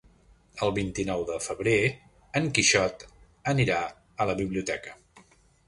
El vint-i-nou de febrer en Quixot anirà a la biblioteca.